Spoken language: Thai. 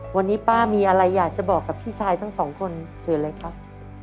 วันนี้ป้ามีอะไรอยากจะบอกกับพี่ชายทั้งสองคนเชิญเลยครับ